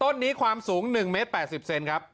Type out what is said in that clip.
ต้นนี้ความสูง๑เมตร๘๐เซนครับ